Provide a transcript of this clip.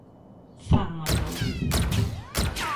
Fagan a proba.